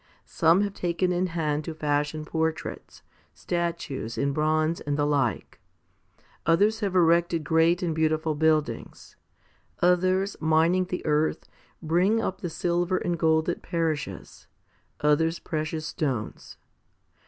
Some have taken in hand to fashion portraits, statues in bronze and the like ; others have erected great and beautiful buildings; others, mining the earth, bring up the silver and gold that perishes, others precious stones.